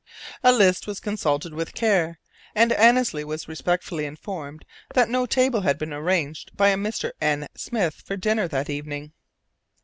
A list was consulted with care; and Annesley was respectfully informed that no table had been engaged by a Mr. N. Smith for dinner that evening.